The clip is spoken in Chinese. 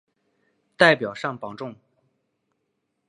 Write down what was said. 代表上榜中